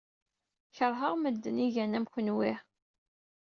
Keṛheɣ medden ay igan am kenwi.